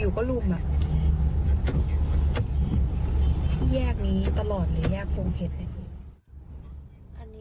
อยู่ก็ลุ่มที่แยกนี้ตลอดเลยแยกพงเพชร